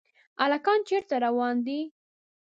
هلکان چېرته روان دي ؟